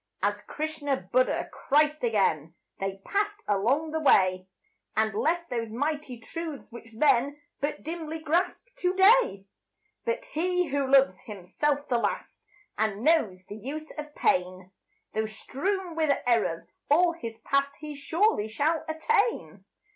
As Krishna, Buddha, Christ again, They passed along the way, And left those mighty truths which men But dimly grasp to day. But he who loves himself the last And knows the use of pain, Though strewn with errors all his past, He surely shall attain.